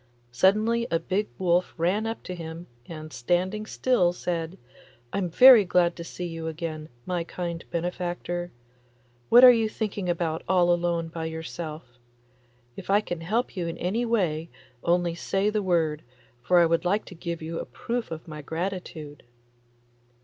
Suddenly a big wolf ran up to him, and standing still said, 'I'm very glad to see you again, my kind benefactor. What are you thinking about all alone by yourself? If I can help you in any way only say the word, for I would like to give you a proof of my gratitude.